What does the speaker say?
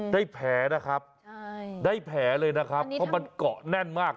ได้แผลนะครับได้แผลเลยนะครับเพราะมันเกาะแน่นมาก